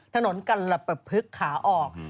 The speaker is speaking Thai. ถนนกันแล้วปะพึกขาออก